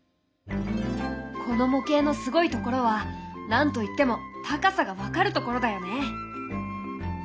この模型のすごいところは何と言っても高さが分かるところだよね。